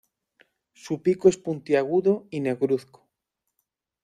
Su pico es puntiagudo y negruzco.